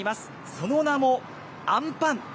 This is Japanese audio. その名もあんぱん。